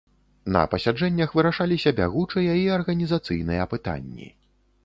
На пасяджэннях вырашаліся бягучыя і арганізацыйныя пытанні.